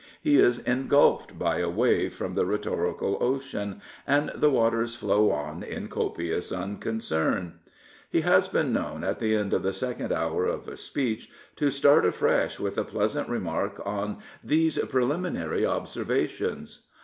He is engulfed by a wave from the rhetorical ocean, and the waters flow on in copious unconcern. He has been known at the end of the second hour of a speech to start afresh with a pleasant remark on these preliminary observations."